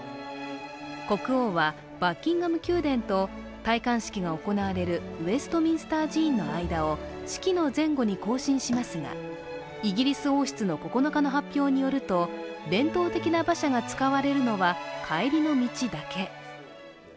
国王はバッキンガム宮殿と戴冠式が行われるウエストミンスター寺院の間を式の前後に行進しますが、イギリス王室の９日の発表によると伝統的な馬車が使われるのは帰りの道だけ。